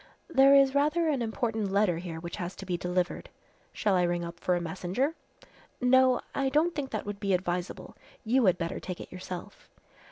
"There is rather an important letter here which has to be delivered." "Shall I ring up for a messenger?" "No, I don't think that would be advisable. You had better take it yourself."